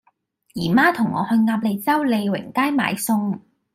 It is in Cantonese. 姨媽同我去鴨脷洲利榮街買餸